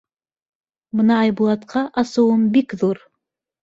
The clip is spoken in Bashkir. Бына Айбулатҡа асыуым бик ҙур.